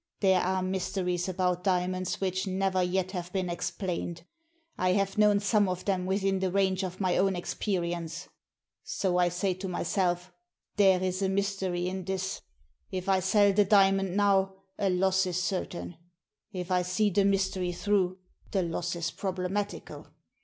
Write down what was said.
There are mysteries about diamonds which never yet have been explained. I have known some of them within the range of my own experience. So I say to myself, * There is a mystery in this. If I sell the diamond now, a loss is certain ; if I see the mystery through, the loss is problematical.